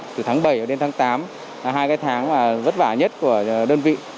từ tháng bảy đến tháng tám là hai cái tháng vất vả nhất của đơn vị